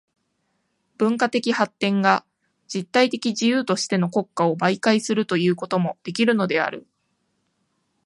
文化的発展が実体的自由としての国家を媒介とするということもできるのである。